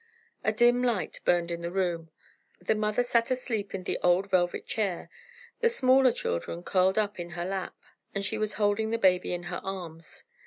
A dim light burned in the room, the mother sat asleep in the old velvet chair, the smaller children curled up in her lap, and she was holding the baby in her arms.